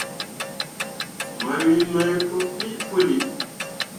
Mawin main pǝbeʼ pǝlli.